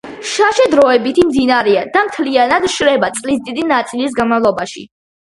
შაშე დროებითი მდინარეა და მთლიანად შრება წლის დიდი ნაწილის განმავლობაში.